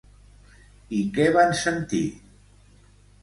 I què van sentir?